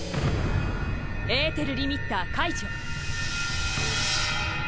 エーテルリミッター解除。